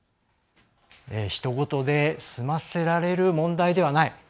ひと事で済ませられる問題ではない。